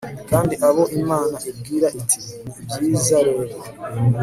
kandi abo imana ibwira iti 'ni byiza rero